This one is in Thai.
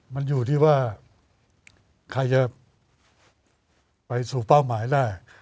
มันอยู่ที่ว่าใครจะไปสู่เป้าหมายได้